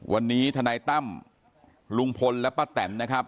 วันนี้ทนายตั้มลุงพลและป้าแตนนะครับ